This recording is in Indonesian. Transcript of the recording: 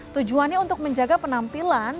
tujuannya untuk menjaga penampilan